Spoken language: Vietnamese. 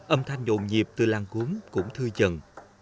âm thanh nhộn nhịp từ làng cuốn cũng thư dần